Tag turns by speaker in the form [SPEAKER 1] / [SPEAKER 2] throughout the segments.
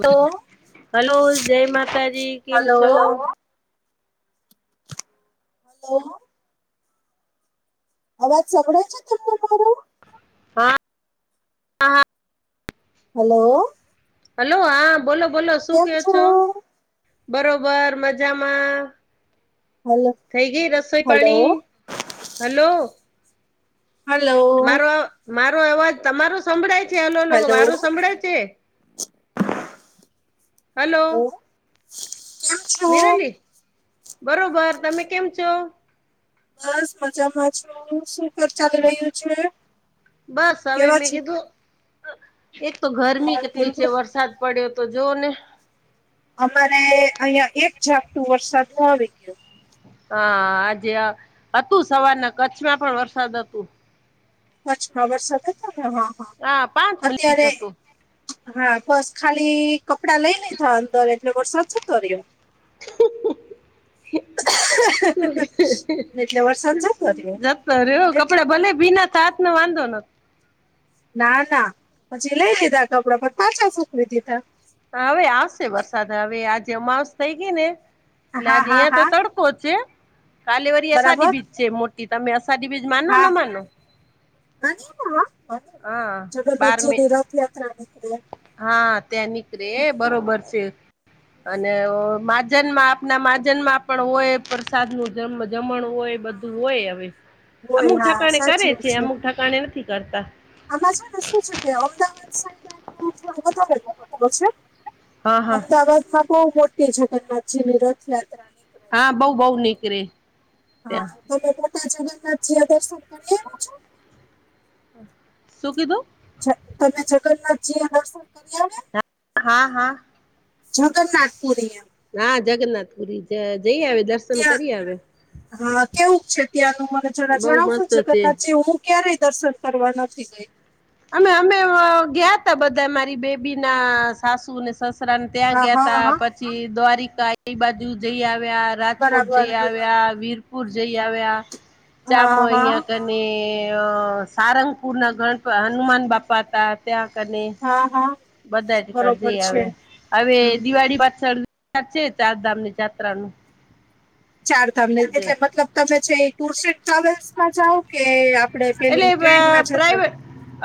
[SPEAKER 1] Hello
[SPEAKER 2] hello, જય માતાજી, કેમ છો? હલો.
[SPEAKER 1] હલો. અવાજ સંભળાય છે તમને મારો?
[SPEAKER 2] હા, હા.
[SPEAKER 1] હલ્લો.
[SPEAKER 2] હલો હા બોલો-બોલો, શું
[SPEAKER 1] કેમ
[SPEAKER 2] કહ્યો છો?
[SPEAKER 1] હલો
[SPEAKER 2] બરોબર, મજામાં. થઈ ગઈ રસોઈ
[SPEAKER 1] હલો
[SPEAKER 2] પાણી? હલ્લો.
[SPEAKER 1] હાલ્લો.
[SPEAKER 2] મારો અ મારો અવાજ તમારો સંભળાય છે હલો-હલો,
[SPEAKER 1] હલો
[SPEAKER 2] મારો સંભળાય છે? હલ્લો?
[SPEAKER 1] હલો કેમ છો
[SPEAKER 2] મિરાલી બરોબર. તમે કેમ છો?
[SPEAKER 1] બસ મજામાં છું. શું ઘર ચાલી રહ્યું છે,
[SPEAKER 2] બસ હવે
[SPEAKER 1] કેવા
[SPEAKER 2] મેં
[SPEAKER 1] છે?
[SPEAKER 2] કીધું એક તો ગરમી કેટલી છે, વરસાદ પડ્યો તો જોઓ ને.
[SPEAKER 1] અમારે અહિયાં-અહિયાં એક ઝાપટું વરસાદનો આવી ગયો.
[SPEAKER 2] હા. આજે આ, હતું સવારના કચ્છમાં પણ વરસાદ હતું.
[SPEAKER 1] કચ્છ માં વરસાદ હતો ને, હા, હા.
[SPEAKER 2] પાંચ મિનિટ હતું
[SPEAKER 1] અત્યારેય હા, બસ ખાલી કપડા લઈ લીધા અંદર એટલે વરસાદ જતો રહ્યો.
[SPEAKER 2] [inaudible] શું
[SPEAKER 1] એટલે વરસાદ જતો
[SPEAKER 2] શું
[SPEAKER 1] રહ્યો
[SPEAKER 2] જતો રહ્યો
[SPEAKER 1] એટલે
[SPEAKER 2] કપડા ભલે ભીના થાત નો વાંધો નથ
[SPEAKER 1] ના, ના, પછી લઈ લીધા કપડાં, પછ પાછા સુકવી દીધા.
[SPEAKER 2] હા હવે આવશે વરસાદ, હવે આજે અમાવસ થઈ ગઈ ને, એટલે
[SPEAKER 1] હા
[SPEAKER 2] આજે
[SPEAKER 1] હા
[SPEAKER 2] અહિયાં તો
[SPEAKER 1] હા
[SPEAKER 2] તડકો કો ચે કાલે વરી અષાઢી
[SPEAKER 1] બરાબર
[SPEAKER 2] બીજ છે મોટી તમે અષાઢી બીજ માનો ના માનો?
[SPEAKER 1] [unintelligible]
[SPEAKER 2] હા બાર
[SPEAKER 1] જગન્નાથજી
[SPEAKER 2] મે
[SPEAKER 1] ની રથયાત્રા નીકળે
[SPEAKER 2] હા, ત્યાં નીકળે બરોબર છે. અને ઓ માજન માં આપના માજનમાં પણ હોય પ્રસાદ નું જમણ હોય બધું
[SPEAKER 1] હા
[SPEAKER 2] હોય હવે.
[SPEAKER 1] હોય
[SPEAKER 2] અમુક
[SPEAKER 1] હા
[SPEAKER 2] ઠાકાણે કરે
[SPEAKER 1] સાચી વાત
[SPEAKER 2] છે અમુક ઠાકાણે નથી કરતા.
[SPEAKER 1] આમાં છે ને શું છે કે અમદાવાદ સાઈડનું થોડું બારે [unintelligible] છે.
[SPEAKER 2] હા હા
[SPEAKER 1] અમદાવાદમાં બહુ મોટી જગન્નાથજી ની રથયાત્રા નીકળે
[SPEAKER 2] હા,
[SPEAKER 1] છે
[SPEAKER 2] બઉ બઉ નીકરે.
[SPEAKER 1] હા, તમે પોટા જગન્નાથ જી શું ફરી આવ્યા છો?
[SPEAKER 2] શું કીધું?
[SPEAKER 1] જ તમે જગન્નાથજી એ દર્શન કરી આવ્યા?
[SPEAKER 2] હા, હા.
[SPEAKER 1] જગન્નાથપુરી એમ.
[SPEAKER 2] ના જગન્નાથ પુરી જ-જઈ આવે દસ
[SPEAKER 1] ત્યાં હા કેવું છે ત્યાંનું મને જરા
[SPEAKER 2] બઉ
[SPEAKER 1] જણાવશો
[SPEAKER 2] મસ્ત છે.
[SPEAKER 1] જગન્નાથ જેવું ક્યારેય દર્શન કરવા નથી ગઈ.
[SPEAKER 2] અમે અમે ગયા તા બધા મારી બેબી ના સાસુને સસ ત્યાં
[SPEAKER 1] હા હા
[SPEAKER 2] ગયાતા
[SPEAKER 1] હા
[SPEAKER 2] પછી દ્વારિકા એ બાજુ જઈ આવ્યા. રાજકોટ
[SPEAKER 1] બરાબર
[SPEAKER 2] જઈ
[SPEAKER 1] છે.
[SPEAKER 2] આવ્યા વીરપુર જઈ આવ્યા, ચામો
[SPEAKER 1] હા હા
[SPEAKER 2] અહિયાં ક અને સારંગપુરના ગણપ હનુમાન બાપા હતા. ત્યાને,
[SPEAKER 1] હા હા
[SPEAKER 2] બધાક
[SPEAKER 1] બરોબર
[SPEAKER 2] જઈ
[SPEAKER 1] છે
[SPEAKER 2] આવે હવે
[SPEAKER 1] હમ હમ.
[SPEAKER 2] દિવાળી પાછળ વિચાર છે ચારધામ ની જાયાત્રા નું.
[SPEAKER 1] ચાર ધામને એટલે મતલબ તમે જે ટુર્સ એન્ડ ટ્રાવેલ્સમાં જાઓ કે કડે ફેલી ટ્રેન
[SPEAKER 2] એટલે
[SPEAKER 1] માં જતો.
[SPEAKER 2] પ્રાઈવેટ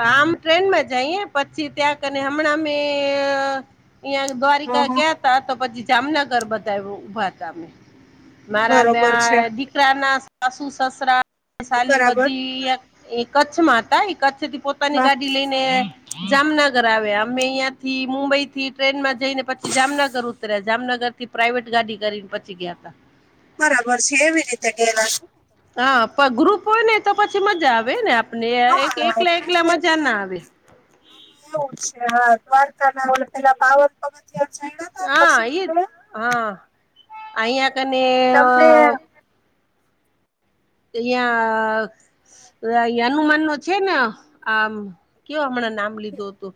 [SPEAKER 2] આમ ટ્રેનમાં જઈએ પછી ત્યાં કરીને હમણાં અમે અહીં
[SPEAKER 1] હા
[SPEAKER 2] દ્વારિકા
[SPEAKER 1] હા
[SPEAKER 2] ગયા ત તો પછી જામનગર બધા ઉભા ત અમે. મારા બે
[SPEAKER 1] બરોબર છે
[SPEAKER 2] દીકરા ના સાસુ સસરા સાલી
[SPEAKER 1] બરાબર
[SPEAKER 2] બધી એ કચ્છમાં હતા કચ્છ થી પોતાની
[SPEAKER 1] હા
[SPEAKER 2] ગાડી લઈને જામનગર આવ્યા અમે અહં થી મુંબઈ થી ટ્રેન માં જઈને પછી જામનગર ઉતર્યા જામનગર થી પ્રાઇવેટ ગાડી કરીને પચી ગયા ત.
[SPEAKER 1] બરાબર છે એવી રીતે ગેલા છે.
[SPEAKER 2] હા ગ્રુપ હોય ને તો પછી મજા આવે ને આપને એક
[SPEAKER 1] હા
[SPEAKER 2] એકલા
[SPEAKER 1] ગ્રુપ
[SPEAKER 2] એકલા
[SPEAKER 1] હોય ને
[SPEAKER 2] મજા ના આવે.
[SPEAKER 1] આમાં એવું છે હા દ્વારકા ના ઓ પેલા પાવન પગ
[SPEAKER 2] હા એ
[SPEAKER 1] ચર્ન?
[SPEAKER 2] હા, અહીંયા કને
[SPEAKER 1] તમને
[SPEAKER 2] યા હનુમાન નો છે ને આમ કયો હમણાં નામ. ો તો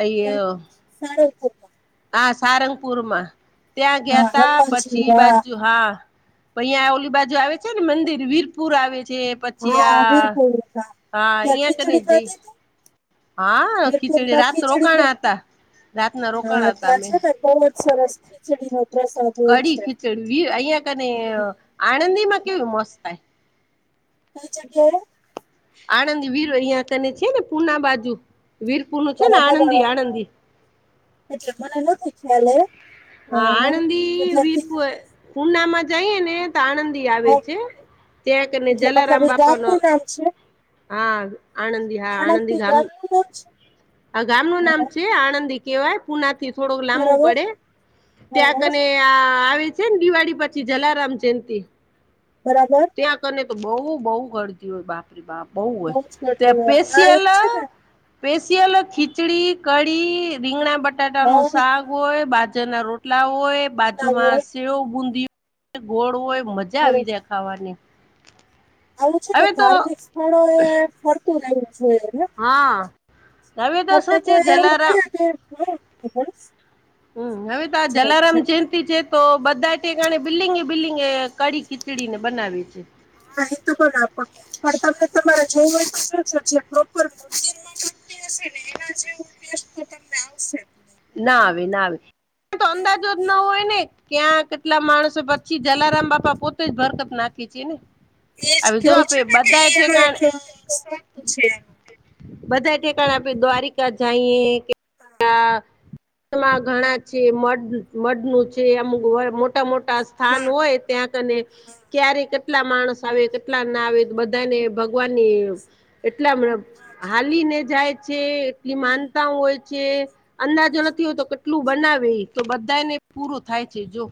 [SPEAKER 2] અ [unintelligible]
[SPEAKER 1] સારો [unintelligible]
[SPEAKER 2] આ સારંગપુર. માં ત્યાં ગયા
[SPEAKER 1] હા
[SPEAKER 2] તા
[SPEAKER 1] હનુમાનજી
[SPEAKER 2] પછી
[SPEAKER 1] હા
[SPEAKER 2] બાજુ હા. પઈ યા ઓલી બાજુ આવે છે ને મંદિર, વીરપુર આવે છે. પછી
[SPEAKER 1] હા
[SPEAKER 2] આ,
[SPEAKER 1] વીરપુર
[SPEAKER 2] હા
[SPEAKER 1] ત્યાં
[SPEAKER 2] યા કને
[SPEAKER 1] ખીચડી
[SPEAKER 2] જઈ
[SPEAKER 1] ખાધી તી
[SPEAKER 2] હા. ખીચડી
[SPEAKER 1] વીરપુરમાં
[SPEAKER 2] રાત
[SPEAKER 1] ખીચડી ખા
[SPEAKER 2] રોકાણા હતા, રાતના
[SPEAKER 1] હા
[SPEAKER 2] રોકાણા તા
[SPEAKER 1] ત્યાં
[SPEAKER 2] અમે.
[SPEAKER 1] છે ને બહુ જ સરસ. [unintelligible]
[SPEAKER 2] કઢી
[SPEAKER 1] છે.
[SPEAKER 2] ખીચડી, અહિયાં કને
[SPEAKER 1] હમ.
[SPEAKER 2] આણંદીમાં કેવી મસ્ત થાય.
[SPEAKER 1] કંઈ જગ્યાએ?
[SPEAKER 2] આણંદી વીર, અહિયાં તને છે ને પૂના બાજુ વીરપુરનું છે ને
[SPEAKER 1] બરાબર અ,
[SPEAKER 2] આણંદી-આણંદી.
[SPEAKER 1] એટલે મને નથી ખ્યાલ એ.
[SPEAKER 2] હા આણંદી
[SPEAKER 1] એટલે ખી-
[SPEAKER 2] વીરપુર પુનામાં જઈએે ને તો આણંદી આવે
[SPEAKER 1] હા,
[SPEAKER 2] છે ત્યાં કરીને જલારામ બાપાનો-
[SPEAKER 1] અચ્છા
[SPEAKER 2] હા આનંદી હા આનંદી ગમ
[SPEAKER 1] બ [unintelligible]
[SPEAKER 2] આ ગામ ન નામ છે આણંદી કહેવાય પુના થી થોડુંક લાંબુ
[SPEAKER 1] બરાબર
[SPEAKER 2] પડે
[SPEAKER 1] હા
[SPEAKER 2] ત્યાં
[SPEAKER 1] હા
[SPEAKER 2] કને ત્યા આવે છે ને દિવાળી પછી જલારામ જયંતિ.
[SPEAKER 1] બરાબર!
[SPEAKER 2] ત્યા કરને તો બહુ બહુ ઘરજી હોય બાપ. બહ હોય
[SPEAKER 1] બહુ જ
[SPEAKER 2] તે
[SPEAKER 1] ગટુ- આ એક
[SPEAKER 2] સ્પેશિયલ
[SPEAKER 1] છે ને
[SPEAKER 2] - સ્પેશિયલ ખીચડી કઢી રીંગણા બટાટાનું
[SPEAKER 1] ના
[SPEAKER 2] શાક. હોય બાજરના રોટલા હોય બાજુમાં
[SPEAKER 1] હોય
[SPEAKER 2] સેવ બુંદી હોય ગોળ હોય મજા. મજા આવી
[SPEAKER 1] બરોબર
[SPEAKER 2] દે ખાવાની.
[SPEAKER 1] આવું છે ને
[SPEAKER 2] હવે તો
[SPEAKER 1] ધાર્મિક સ્થળો એ ફરતું રહેવું જોઈએને.
[SPEAKER 2] હા! હવે તો
[SPEAKER 1] તને
[SPEAKER 2] શું છે
[SPEAKER 1] કોઈ એવું ક
[SPEAKER 2] જલારામ
[SPEAKER 1] કે. [unintelligible]
[SPEAKER 2] હમ હવે તો
[SPEAKER 1] જાય
[SPEAKER 2] જલરમ
[SPEAKER 1] છે.
[SPEAKER 2] ચિંતતા. [unintelligible] તો બધાણે બિલ્ડિંગ બિલ્ડિંગ એ કડી ખીચડીને બનાવે છે.
[SPEAKER 1] ન તોું બગ આપ. પણ તમે તમારે જોું છો જે પ્રોપર મંદિરમાં ગમતી હશે ને એના જેવું. કેસ્ટ તો તમને આવશે જ નહી.
[SPEAKER 2] ના આવે ના આવે તો અંદાજ જ ના હોય ને ક્યાંક. કેટલા માણસો પછી જલારામ બાપા પોતે જ ભરકત નાખે છે ને.
[SPEAKER 1] એ
[SPEAKER 2] હવે જો
[SPEAKER 1] કેવું
[SPEAKER 2] આપે
[SPEAKER 1] છે ને કે એ
[SPEAKER 2] બધા
[SPEAKER 1] એનો
[SPEAKER 2] ઠેકાણ
[SPEAKER 1] એક શું પૂછે એનો.
[SPEAKER 2] બધા ઠેકાણ આપે દ્વારિકા જઈએ કે.
[SPEAKER 1] હા
[SPEAKER 2] માં ઘણા છે મઢનું છે અમુક મોટ. મોટા મોટા સ્થાન
[SPEAKER 1] હા
[SPEAKER 2] હોય ત્યાં કને.
[SPEAKER 1] હા
[SPEAKER 2] ક્યારે કેટલા માણસ આવે કેટલા ના આવે બધાને ભગવાનની. એટલા હાલીને જાય છે. એટલી માનતાઓ હોય છે. અંદાજો
[SPEAKER 1] હા
[SPEAKER 2] નથી હોયતો કેટલું બનાવે તો બધાને પૂરો થાય છે જો.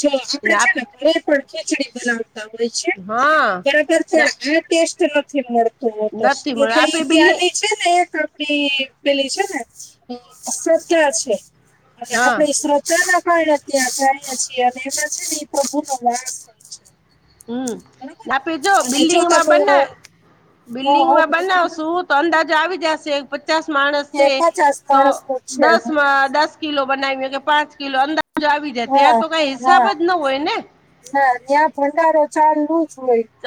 [SPEAKER 1] જો આપડે છે ને ઘરે પણ ખીચડી બનાવતા હોય છે
[SPEAKER 2] હા
[SPEAKER 1] બરાબર પણ આ. ટેસ્ટ નથી મળતું હોતો
[SPEAKER 2] નથી મળે
[SPEAKER 1] એટલે
[SPEAKER 2] આપે
[SPEAKER 1] એ ત્યાં.
[SPEAKER 2] બિલ્ડિંગ
[SPEAKER 1] છે ને એક આપડી પેલી છે ને શધા છે. હ
[SPEAKER 2] હા
[SPEAKER 1] આપડે શ્રધા ના કારણે ત્યાં જએ છીએ. અને એમાં છે ને એ પ્રભુ નો લસ હોય છે.
[SPEAKER 2] હમ
[SPEAKER 1] બરાબર
[SPEAKER 2] ના
[SPEAKER 1] ને
[SPEAKER 2] પી જો
[SPEAKER 1] અને
[SPEAKER 2] બિલ્ડીંગમાં
[SPEAKER 1] તમે
[SPEAKER 2] બને
[SPEAKER 1] હા હા
[SPEAKER 2] બિલ્ડીંગમાં બને
[SPEAKER 1] માં
[SPEAKER 2] સુું. તો અંદાજ આવી જશે પચાસ માણસ
[SPEAKER 1] કે
[SPEAKER 2] છે
[SPEAKER 1] પચાસ
[SPEAKER 2] તો
[SPEAKER 1] માણસનું જ છે
[SPEAKER 2] દસ દસ. કિલો બનાવી કે પાંચ કિલો અંદાજ આવી જાય ત્યાં
[SPEAKER 1] હા
[SPEAKER 2] તો કઈ હિસાબ
[SPEAKER 1] હા
[SPEAKER 2] જ ન હોય ને.
[SPEAKER 1] ના ત્યાં ભંડારો ચાલુ જ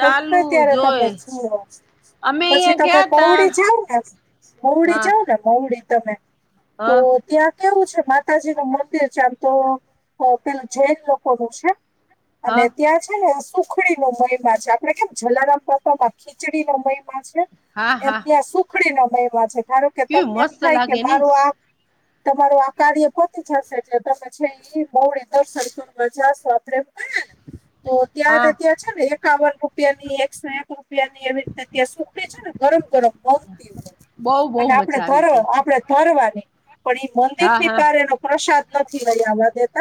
[SPEAKER 1] હોય ગમે ત્યારે તમે
[SPEAKER 2] જોઈ
[SPEAKER 1] જુ.
[SPEAKER 2] અમે
[SPEAKER 1] પછી
[SPEAKER 2] અહિયાં
[SPEAKER 1] તમે
[SPEAKER 2] ગયા તા
[SPEAKER 1] કોવડી જાવ ને. મહુડી
[SPEAKER 2] હા
[SPEAKER 1] જાવ ને મહુડી તમે તો.
[SPEAKER 2] હા
[SPEAKER 1] ત્યાં કેવું છે માતાજી નું મંદિર છે આમ તો. તો પેલું જૈન લોકો નું છે અને
[SPEAKER 2] હા
[SPEAKER 1] ત્યાં છે ને શું. ઉખડી ન મહિમા છે. આપડે કેમ જલારામ પાપામાં ખીચડીનો મહિમા છે.
[SPEAKER 2] હા હા
[SPEAKER 1] એમને સુ ઉખડી ન મહિમા છે ધ કે
[SPEAKER 2] કેવી
[SPEAKER 1] તમને એમ
[SPEAKER 2] મસ્ત
[SPEAKER 1] થાય કે
[SPEAKER 2] લાગે નઈ
[SPEAKER 1] મારું આ. તમારું આ કાર્ય કોતી જશે જે તમે છે. બહુધર સરસ મજા વાપરે એમ ગયા ને તો ત્યાંને
[SPEAKER 2] હા
[SPEAKER 1] ત્યાં. છે ને એકાવન રૂપિયા ની એકસો એક રૂપિયાની એવી રીતે ત્યાં સુખડી છે ને ગરમ ગરમ. તી હો
[SPEAKER 2] બઉ
[SPEAKER 1] અને
[SPEAKER 2] બહુ મજા આવી
[SPEAKER 1] આપડરો
[SPEAKER 2] જાય
[SPEAKER 1] આપડે. ફરવાની પણ ઈ મંદિર
[SPEAKER 2] હા
[SPEAKER 1] ની
[SPEAKER 2] હા
[SPEAKER 1] પાર એનો પ્રસાદ નથી રહવા.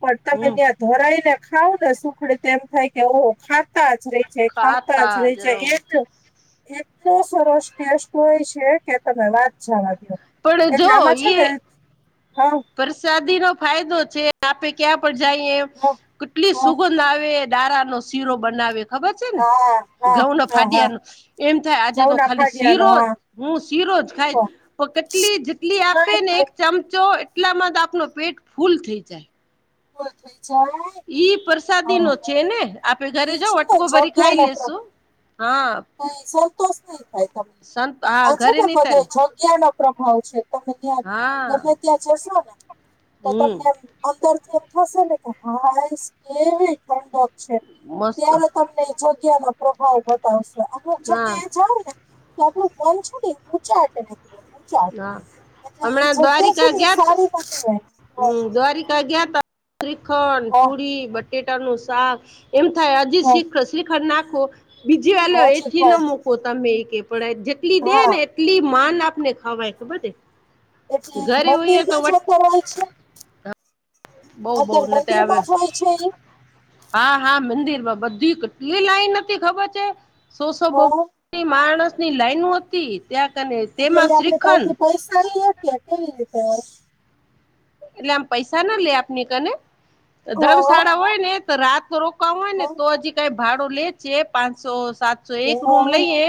[SPEAKER 1] પણ તમે
[SPEAKER 2] હમ
[SPEAKER 1] ત્યાં ધરાઈ ને ખાવ ને સુખડી તો એમ થાય કે ઓહો ખાતા જ રહી. જાય, ખાતા રહી
[SPEAKER 2] જ રહો
[SPEAKER 1] જાય [unintelligible] એટલો સરસ ટેસ્ટ હોય છે કે તમે વાત જાવા દયો.
[SPEAKER 2] પણ જો
[SPEAKER 1] એટલે આમાં છે
[SPEAKER 2] એ
[SPEAKER 1] ને [unintelligible]
[SPEAKER 2] પ્રસાદી નો ફાયદો છે. આપે ક્યાં પણ જાઈએ,
[SPEAKER 1] હા
[SPEAKER 2] કેટલી
[SPEAKER 1] હા હા
[SPEAKER 2] સુગંધ આવે ડારા નો શીરો બનાવે. ખબર છે ને?
[SPEAKER 1] હા
[SPEAKER 2] ઘઉં ના
[SPEAKER 1] હા હા
[SPEAKER 2] ફાડિયા નો. એમ થાય આજે તો
[SPEAKER 1] ચૌદ
[SPEAKER 2] ખાલી
[SPEAKER 1] અઠવાડિયાનો
[SPEAKER 2] શીરો જ
[SPEAKER 1] હા
[SPEAKER 2] હું શીરો જ ખાઈ,
[SPEAKER 1] તો
[SPEAKER 2] પણ કેટલી જેટલી
[SPEAKER 1] બીજું
[SPEAKER 2] આપે
[SPEAKER 1] કઈ
[SPEAKER 2] ને એક
[SPEAKER 1] ખાવું
[SPEAKER 2] ચમ ચો
[SPEAKER 1] નથી
[SPEAKER 2] એટલામાં તો આપનો પેટ ફૂલ થઈ જાય.
[SPEAKER 1] [unintelligible]
[SPEAKER 2] ઈ પ્રસાદી
[SPEAKER 1] હા
[SPEAKER 2] નો છે ને. આપે ઘરે
[SPEAKER 1] ઈ
[SPEAKER 2] જાવ
[SPEAKER 1] છે ને
[SPEAKER 2] વટકો ભરી ખાઈ લેશું, હા.
[SPEAKER 1] કંઈ સંતોષ નહી થાય તમને.
[SPEAKER 2] સંત હા
[SPEAKER 1] આ છે
[SPEAKER 2] ઘરે
[SPEAKER 1] ને
[SPEAKER 2] નહી
[SPEAKER 1] બધા
[SPEAKER 2] તને
[SPEAKER 1] જગ્યા નો પ્રભાવ છે. તમે ત્યાં
[SPEAKER 2] હા
[SPEAKER 1] ગમે ત્યાં જશો ને તો
[SPEAKER 2] હમ
[SPEAKER 1] તમને અંદર થી એમ થશે ને કે હાઈસ કેવી ઠંડક છે
[SPEAKER 2] મસ્ત
[SPEAKER 1] ત્યારે તમને જગ્યા નો પ્રભાવ બતાવશે અમુક
[SPEAKER 2] હા
[SPEAKER 1] જગ્યા એ જાવ ને તો આપડું ફોન છેને ઊંચે આટે [unintelligible] ચાલ
[SPEAKER 2] હા
[SPEAKER 1] એટલે ઈ જગ્યા છે ને સારી માટે રહે.
[SPEAKER 2] હમ્મ દ્વારિકા ગયાં તા શ્રીખંડ પુરી બટેટાનું શાક એમ થાય હજી
[SPEAKER 1] હા
[SPEAKER 2] શ્રી -શ્રીખંડ નાખો બીજી વાલો
[SPEAKER 1] હા હજી
[SPEAKER 2] એથી
[SPEAKER 1] થાય
[SPEAKER 2] ના મુકો તમે એ કે પણ જેટલી દે
[SPEAKER 1] હા
[SPEAKER 2] ને કેટલી માન આપને ખાવાય ખબર દે
[SPEAKER 1] એટલે ઈ મંદિરમાં જતો રહે છે?
[SPEAKER 2] બહુ બહુ
[SPEAKER 1] અંદર
[SPEAKER 2] ને તે આવ્યો
[SPEAKER 1] મંદિરમાં જ હોય છે એ
[SPEAKER 2] હા હા મંદિરમાં બધી કેટલી લાઈન નથી ખબર છે સોસો બ
[SPEAKER 1] હા
[SPEAKER 2] માણસ ની લાઈનો હતી. ત્યાં કને
[SPEAKER 1] એટલે
[SPEAKER 2] તેમાં
[SPEAKER 1] અહી આપડે
[SPEAKER 2] શ્રીખંડ
[SPEAKER 1] ત્યાંથી પૈસા લઈએ કે્યા કેવી રીતે?
[SPEAKER 2] એટલે આમ પૈસા ના લે આપની કને ધર્મશાળા હોય ને તો રાત રો કા હોય ને
[SPEAKER 1] હા
[SPEAKER 2] તો હજી કઈ ભાડો લે છે પાંચસો સાત સો એક
[SPEAKER 1] હા
[SPEAKER 2] રૂમ લઈએ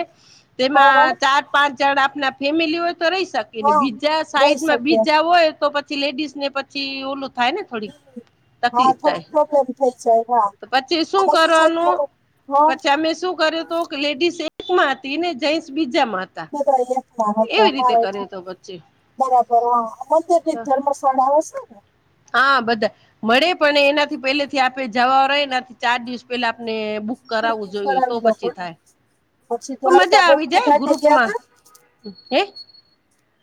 [SPEAKER 1] હા
[SPEAKER 2] તેમાં ચાર પાંચ જણ આપના ફેમિલી હોય તો રહી શક કેને
[SPEAKER 1] હા
[SPEAKER 2] બીજા
[SPEAKER 1] રહી
[SPEAKER 2] સાઈડમાં
[SPEAKER 1] શકીએ
[SPEAKER 2] બીજા હોય તો પછી લેડીસને પછી ઓલું થાય ને થોડી
[SPEAKER 1] હા
[SPEAKER 2] તકલીફ થાય.
[SPEAKER 1] થોડીક પ્રોબ્લેમ થઈ જાય હા
[SPEAKER 2] તો પછી શું
[SPEAKER 1] આમાં છે અત્યારે
[SPEAKER 2] કરવાનું
[SPEAKER 1] હા
[SPEAKER 2] પછી અમે શું કર્યું તું કે લેડીસ એકમાં હતી ને જેન્ટસ બીજામાં હ
[SPEAKER 1] માં તૈયે [unintelligible]
[SPEAKER 2] વચ્ચે
[SPEAKER 1] બરાબર હા મંદિર ની ધર્મશાળા હશે ને
[SPEAKER 2] હા, બધા મળે પણ એનાથી પેલે થી આપે જવા રહે ને તો ચાર દિવસ પેલા આપને બુક કરાવવું
[SPEAKER 1] બુકિંગ
[SPEAKER 2] જોઈએ તો
[SPEAKER 1] કરાવી લો
[SPEAKER 2] પછી
[SPEAKER 1] પણ
[SPEAKER 2] થાય,
[SPEAKER 1] પછી
[SPEAKER 2] તો
[SPEAKER 1] દ્વારકા
[SPEAKER 2] મજા આવી
[SPEAKER 1] ગોમતી
[SPEAKER 2] જાય
[SPEAKER 1] ઘાટે ગયા
[SPEAKER 2] ગ્રુપમાં.
[SPEAKER 1] તા
[SPEAKER 2] હ?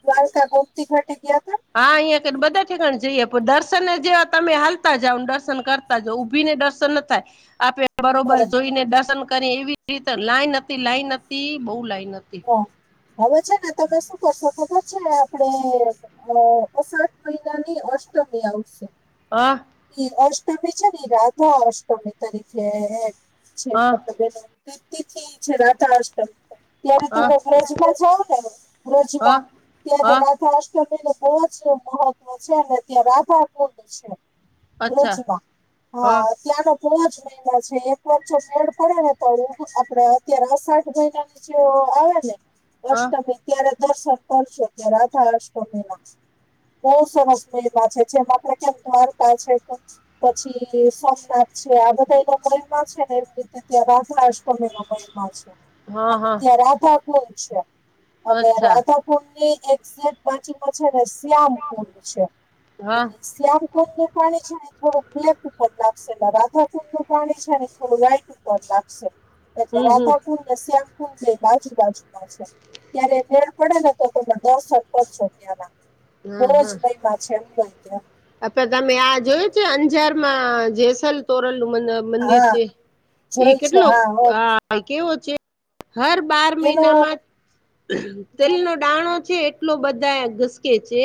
[SPEAKER 1] દ્વાલકા ગોપતી ઘાટ ગયા ત? [unintelligible]
[SPEAKER 2] હા અહં કને બધા ઠેકાણ જઈએ દર્શન જેવા તમે હાલતા જાવને દર્શન કરતા ઉભીને દર્શન ન થાય, આપે બરોબર જોઈને દર્શન કરી એવી રીતે લાઈન હતી લાઈન હતી બહુ લાઈન હતી.
[SPEAKER 1] હવે છે ને તમે શું કરશો ખબર છે આપડે અ અસઠ મહિનાની અષ્ટમી આવશે.
[SPEAKER 2] હ.
[SPEAKER 1] એ અષ્ટમી છે ને રાધા અષ્ટમી તરીકે છે
[SPEAKER 2] હા
[SPEAKER 1] મતલબ એનું તથી છે રાતાાષમ [unintelligible] ત્યારે
[SPEAKER 2] હા
[SPEAKER 1] તમે બ્રજમાં જાઓ ને,
[SPEAKER 2] હા
[SPEAKER 1] અ્રજમાં,
[SPEAKER 2] હા
[SPEAKER 1] ત્યારે અષ્ટમી નું બહુ જ મહત્વ છે અને ત્યાં રાધા કુંડ છે.
[SPEAKER 2] અચ્છા
[SPEAKER 1] રોજમાં હા ત્યાનો બ જ મહિના છે એક વારચ ફેડ પડે ને તો આપડે અત્યારે આ સાઠ મહિના પ આવે ને વર્ષ
[SPEAKER 2] હા
[SPEAKER 1] તમે ત્યારે દર્શન કરશો ત રાધા અષ્ટમી ના બહુ સરસ મે એમાં છે જે માત્ર કેમ દ્વારકા છે, કે પછી સોમનાથ છે, આ બધા એ લોકો એમાં છે ને એમ રીતે અ્યારે રાળષમેનો મયમાં છે.
[SPEAKER 2] હા
[SPEAKER 1] અને
[SPEAKER 2] હા
[SPEAKER 1] ત્યાં રાધા કુલ છે અને
[SPEAKER 2] અચ્છા
[SPEAKER 1] રાધા ની એઝે બાચમાં છે ને શ્યામ કુંડ છે
[SPEAKER 2] હા
[SPEAKER 1] એટલે સ્્યામ કો પાણી છે. થોડું બ્લેક ઉપર લાગશે એટલે રાધાકુંડ નું પાણી છેને, થોડું વ્હાઈટ ઉપર લાગશે એટલે
[SPEAKER 2] હમ હમ
[SPEAKER 1] રાધાપુર ન શ્યામપુર જે આજુબાજુમાં છે. ત્યારે મેળ પડે ને તો તમે દસ કરશો ત્યાંના બહજ ભયમાં છે એું લય ત્યા
[SPEAKER 2] અે તમે આ જોય છે અંજારમાં જેસલ તોરલ નું મ મંદિર
[SPEAKER 1] હા
[SPEAKER 2] છે એ
[SPEAKER 1] જોય છે
[SPEAKER 2] કેટલો
[SPEAKER 1] હા હો
[SPEAKER 2] આ કેવો છે હર બાર
[SPEAKER 1] એનો
[SPEAKER 2] મહિનામાં
[SPEAKER 1] હમ
[SPEAKER 2] તેલનોો દાણો છે. એટલો બધા ઘસકે છે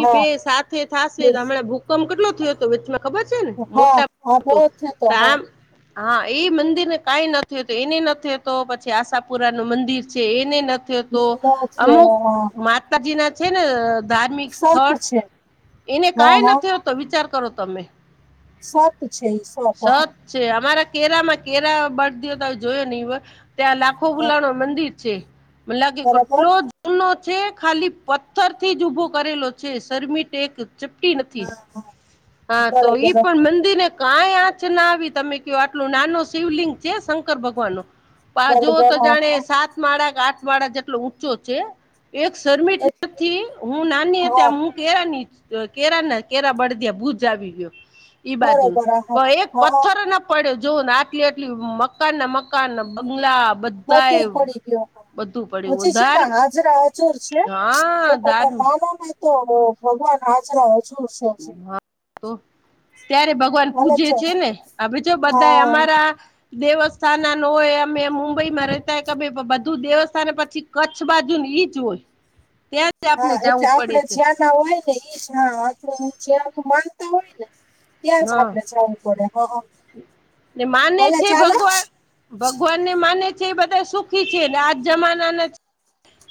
[SPEAKER 1] હા
[SPEAKER 2] બે સાથે થ હમણાં ભૂકંપ કેટલો થયો હતો વચમાં ખબર છે ને મોટા
[SPEAKER 1] હા હા
[SPEAKER 2] મોટ
[SPEAKER 1] બહુ
[SPEAKER 2] તો
[SPEAKER 1] થતો હા
[SPEAKER 2] આમ હા એ મંદિરને કંઈ નથીતું એને નથીતો પછી આશાપુરા નું મંદિર છે, એને તો
[SPEAKER 1] નીલો થયો
[SPEAKER 2] અમુક
[SPEAKER 1] હા
[SPEAKER 2] માતાજી ના છે ને, ધાર્મિક
[SPEAKER 1] સત
[SPEAKER 2] સ્થળ
[SPEAKER 1] છે
[SPEAKER 2] એને
[SPEAKER 1] હા
[SPEAKER 2] કાંઈ
[SPEAKER 1] હા
[SPEAKER 2] નથીતો વિચાર કરો તમે
[SPEAKER 1] સાત છે સાત
[SPEAKER 2] સત છે અમારા કેરામાં કેરા બળ દ ત જોયો નહ ત્યાં લાખો વુલાણો મંદિર છે મ લાગે
[SPEAKER 1] બરાબર
[SPEAKER 2] કેટલો જ ચૂનો છે ખાલી પથ્થરથી જ ઊભો કરેલો છે શરમિટ એક ચપટી નથી.
[SPEAKER 1] હા
[SPEAKER 2] હા તોય
[SPEAKER 1] બરોબર
[SPEAKER 2] પણ મંદિરને કાંઈ આંચ ના આવી તમે કયો આટલું નાનો શિવલિંગ છે, શંકર ભગવાન નું જોુઓ
[SPEAKER 1] બરોબર
[SPEAKER 2] તો
[SPEAKER 1] હા
[SPEAKER 2] જાણે
[SPEAKER 1] હા
[SPEAKER 2] સાત માળ કે આઠ માળ જેટલો ઊંચો છે એક શમિટ
[SPEAKER 1] એ
[SPEAKER 2] નથી હું નાની
[SPEAKER 1] હા
[SPEAKER 2] ત્યા કેરા ની કેરા ના કેરા બળદિયા ભુજ આવી ગયો. ઈ બાજુ
[SPEAKER 1] બરોબર હા
[SPEAKER 2] એ
[SPEAKER 1] હા હા
[SPEAKER 2] પથ્થર ના પડે જોવ ને આટલી આટલી મકાન ના મકાન બંગલા.
[SPEAKER 1] બધો
[SPEAKER 2] બધાય
[SPEAKER 1] પડી ગયો.
[SPEAKER 2] બધું પડ્યું
[SPEAKER 1] પછી
[SPEAKER 2] ધાર
[SPEAKER 1] છે હાજરા અચુર છે જો
[SPEAKER 2] હા ધાર
[SPEAKER 1] તમે મામા તો ભગવાન હાજરા હજુર છેજી.
[SPEAKER 2] હા તો ત્યારે ભગવાન પૂજે છે ને આ જો બધા
[SPEAKER 1] હા
[SPEAKER 2] અમારા દેવસ્થાાન હોય અમે મુંબઈ માં રહેતાય કે ભધા દેવસ્થાને પછી કચ્છ બાજુ ઈચ હોય ત્યાં જ આપને
[SPEAKER 1] હા એટલે
[SPEAKER 2] જવું પડે
[SPEAKER 1] આપડે
[SPEAKER 2] છે
[SPEAKER 1] જ્યાં ના હોય ને એજ હા આપણું જ્યાનુ માનતા હોય ને ત્યાં જ
[SPEAKER 2] હા
[SPEAKER 1] આપડે જવું પડે હ
[SPEAKER 2] ને માને
[SPEAKER 1] ભલે
[SPEAKER 2] છે
[SPEAKER 1] ચાલો
[SPEAKER 2] ભગવાન ભગવાનને માને છે એ બધા સુખી છેને આજ જમાનાના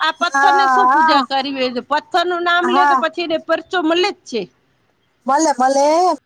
[SPEAKER 2] આ પથ્થર ને
[SPEAKER 1] હા
[SPEAKER 2] શું
[SPEAKER 1] હા
[SPEAKER 2] પૂજા કરવી હો પથ્થર નું નામ લે તો
[SPEAKER 1] હા
[SPEAKER 2] પછીને પરચો મળે જ છે.
[SPEAKER 1] ભલે ભલે